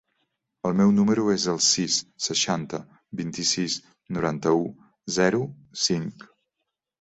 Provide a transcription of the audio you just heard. El meu número es el sis, seixanta, vint-i-sis, noranta-u, zero, cinc.